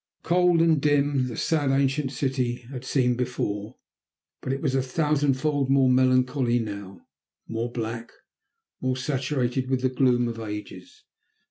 Cold and dim and sad the ancient city had seemed before, but it was a thousandfold more melancholy now, more black, more saturated with the gloom of ages.